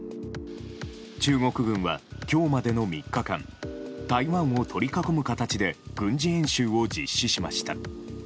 中国軍は、今日までの３日間台湾を取り囲む形で軍事演習を実施しました。